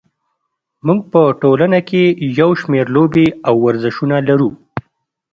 موږ په ټولنه کې یو شمېر لوبې او ورزشونه لرو.